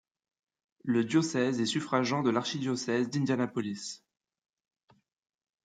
Le diocèse est suffragant de l'archidiocèse d'Indianapolis.